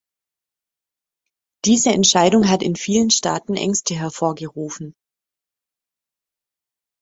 Diese Entscheidung hat in vielen Staaten Ängste hervorgerufen.